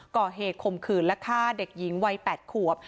ข่มขืนและฆ่าเด็กหญิงวัย๘ขวบ